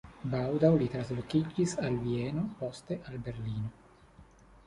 Baldaŭ li translokiĝis al Vieno, poste al Berlino.